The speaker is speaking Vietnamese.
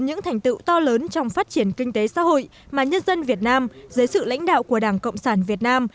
những thành tựu to lớn trong phát triển kinh tế xã hội mà nhân dân việt nam dưới sự lãnh đạo của đảng cộng sản việt nam